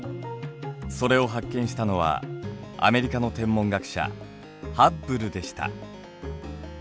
それを発見したのはアメリカの天文学者ハッブルでした。